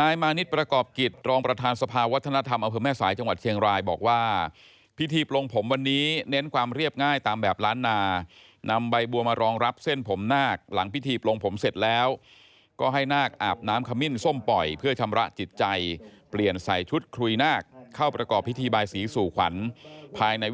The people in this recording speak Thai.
นายมานิดประกอบกิจรองประธานสภาวัฒนธรรมอำเภอแม่สายจังหวัดเชียงรายบอกว่าพิธีปลงผมวันนี้เน้นความเรียบง่ายตามแบบล้านนานำใบบัวมารองรับเส้นผมนาคหลังพิธีปลงผมเสร็จแล้วก็ให้นาคอาบน้ำขมิ้นส้มปล่อยเพื่อชำระจิตใจเปลี่ยนใส่ชุดคุยนาคเข้าประกอบพิธีบายสีสู่ขวัญภายในวิ